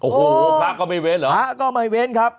โอ้โหพระก็ไม่เว้นเหรอพระก็ไม่เว้นครับ